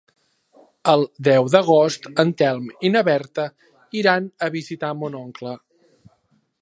El deu d'agost en Telm i na Berta iran a visitar mon oncle.